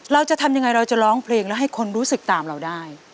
เราจะทำยังไงเราจะร้องเพลงแล้วให้คนรู้สึกตามเราได้